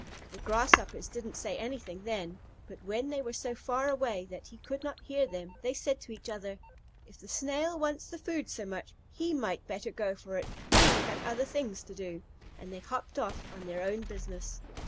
The Grasshoppers didn't say anything then, but when they were so far away that he could not hear them, they said to each other, "If the Snail wants the food so much, he might better go for it. We have other things to do," and they hopped off on their own business.